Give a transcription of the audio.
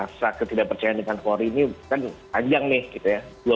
rasa ketidakpercayaan dengan polri ini kan panjang nih gitu ya